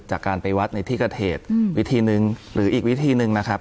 จากการไปวัดในที่เกิดเหตุวิธีหนึ่งหรืออีกวิธีหนึ่งนะครับ